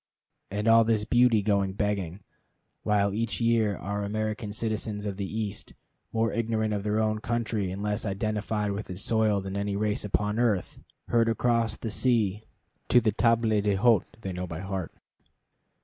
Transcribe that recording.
And all this beauty going begging, while each year our American citizens of the East, more ignorant of their own country and less identified with its soil than any race upon earth, herd across the sea to the tables d'hôte they know by heart!